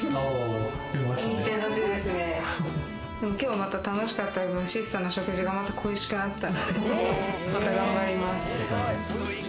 今日楽しかった分、質素な食事が恋しくなったのでまた頑張ります。